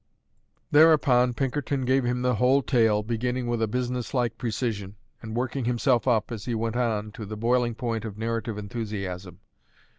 Thereupon Pinkerton gave him the whole tale, beginning with a businesslike precision, and working himself up, as he went on, to the boiling point of narrative enthusiasm.